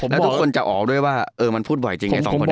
แล้วทุกคนจะออกด้วยว่ามันพูดบ่อยจริงไงสองคนนี้